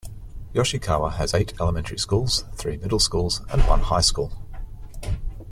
Yoshikawa has eight elementary schools, three middle schools and one high school.